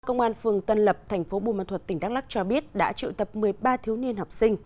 công an phường tân lập thành phố buôn ma thuật tỉnh đắk lắc cho biết đã triệu tập một mươi ba thiếu niên học sinh